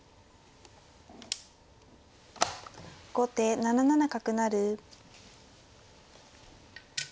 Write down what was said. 後手７七角成。